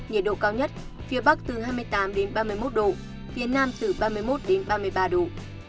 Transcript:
nhiệt độ cao nhất phía bắc từ hai mươi tám đến ba mươi một độ phía nam từ ba mươi một đến ba mươi ba độ